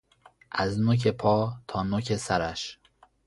از نوک پا تا نوک سرش